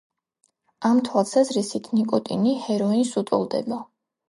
ამ თვალსაზრისით ნიკოტინი ჰეროინს უტოლდება.